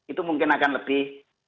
itu mungkin akan lebih